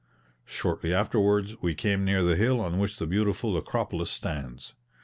Shortly afterwards we came near the hill on which the beautiful Acropolis stands.